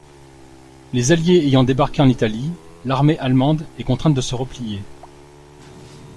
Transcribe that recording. Les Alliés ayant débarqués en Italie, l’armée allemande est contrainte de se replier.